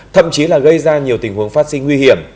thậm chí là gây ra nhiều tình huống phát sinh nguy hiểm